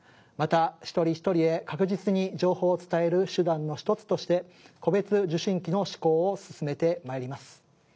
また一人ひとりへ確実に情報を伝える手段の一つとして戸別受信機の試行を進めてまいります。